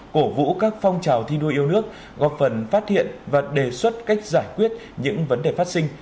cổ vũ các phong trào thi đua yêu nước góp phần phát hiện và đề xuất cách giải quyết những vấn đề phát sinh